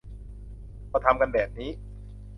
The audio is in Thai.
ก็ทำกันแบบนี้